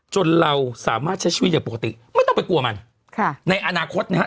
เราสามารถใช้ชีวิตอย่างปกติไม่ต้องไปกลัวมันค่ะในอนาคตนะฮะ